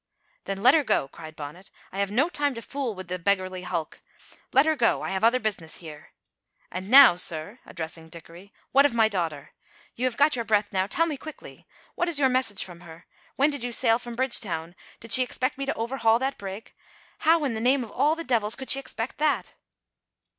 "Then let her go," cried Bonnet, "I have no time to fool with the beggarly hulk. Let her go! I have other business here. And now, sir," addressing Dickory, "what of my daughter? You have got your breath now, tell me quickly! What is your message from her? When did you sail from Bridgetown? Did she expect me to overhaul that brig? How in the name of all the devils could she expect that?"